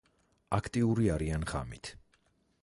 აქტიური არიან ღამით.